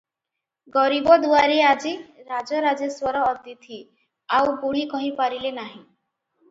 ଗରିବ ଦୁଆରେ ଆଜି ରାଜରାଜେଶ୍ୱର ଅତିଥି- ଆଉ ବୁଢ଼ୀ କହିପାରିଲେ ନାହିଁ ।